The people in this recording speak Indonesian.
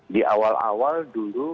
di awal awal dulu